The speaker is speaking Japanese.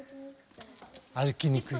歩きにくい？